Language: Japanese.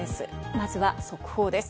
まずは速報です。